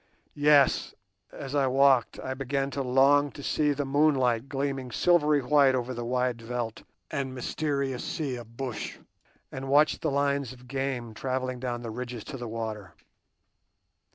Yes, as I walked, I began to long to see the moonlight gleaming silvery white over the wide veldt and mysterious sea of bush, and watch the lines of game travelling down the ridges to the water.